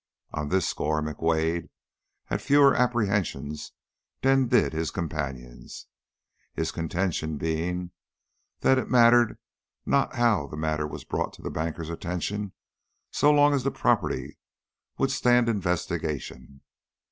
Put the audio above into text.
On this score McWade had fewer apprehensions than did his companions, his contention being that it mattered not how the matter was brought to the banker's attention so long as the property would stand investigation.